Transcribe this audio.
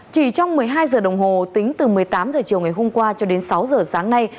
chỉ trong một mươi hai giờ đồng hồ tính từ một mươi tám h chiều ngày hôm qua cho đến sáu giờ sáng nay